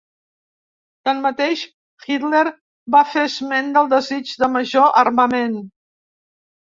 Tanmateix, Hitler va fer esment del desig de major armament.